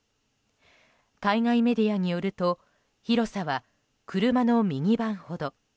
海外メディアによると広さは車のミニバンほど。